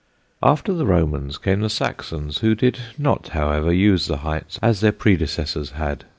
After the Romans came the Saxons, who did not, however, use the heights as their predecessors had.